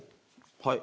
はい。